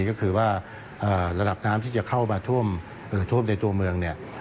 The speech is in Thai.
ก็คือว่าราบน้ำที่จะเข้ามาท่วมทั่วเมือง